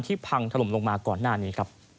ที่พังถล่มลงมาก่อนหน้านี้